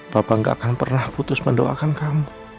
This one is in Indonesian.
bapak gak akan pernah putus mendoakan kamu